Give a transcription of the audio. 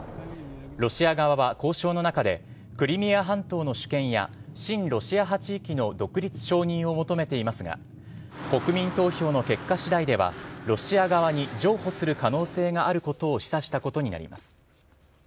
ロシア側は交渉の中で、クリミア半島の主権や、親ロシア派地域の独立承認を求めていますが、国民投票の結果しだいでは、ロシア側に譲歩する可能性があることを示唆したことになります。